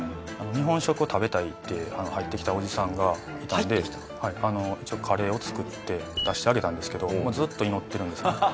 「日本食を食べたい」って入ってきたおじさんがいたんで一応カレーを作って出してあげたんですけどずっと祈ってるんですね。